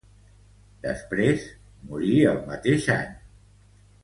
Després morí el mateix any.